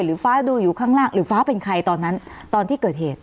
ฟ้าดูอยู่ข้างล่างหรือฟ้าเป็นใครตอนนั้นตอนที่เกิดเหตุ